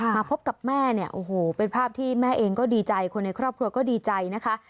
มาพบกับแม่เนี่ยโอ้โหเป็นภาพที่แม่เองก็ดีใจคนในครอบครัวก็ดีใจนะคะ